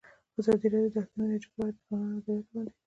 ازادي راډیو د اټومي انرژي په اړه د ځوانانو نظریات وړاندې کړي.